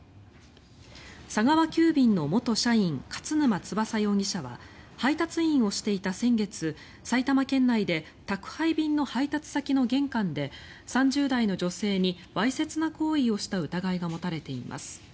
佐川急便の元社員勝沼翼容疑者は配達員をしていた先月埼玉県内で宅配便の配達先の玄関で３０代の女性にわいせつな行為をした疑いが持たれています。